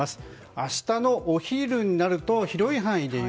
明日のお昼になると広い範囲で雪。